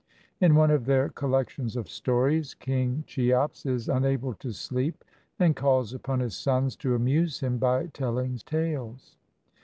In one of their collections of stories. King Cheops is unable to sleep, and calls upon his sons to amuse him by telHng tales.